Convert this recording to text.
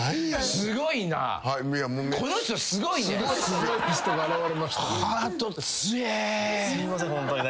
すいませんホントに。